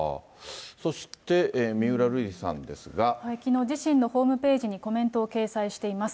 そして、きのう、自身のホームページにコメントを掲載しています。